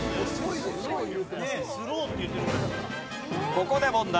ここで問題。